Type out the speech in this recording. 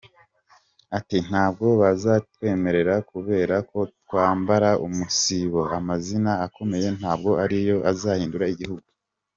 Ati “Ntabwo bazatwemera kubera ko twambara ‘umusibo’, ‘amazina’ akomeye ntabwo ari yo azahindura igihugu.